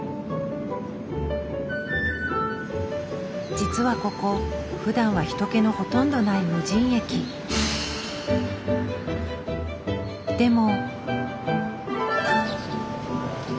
実はここふだんは人けのほとんどないでも。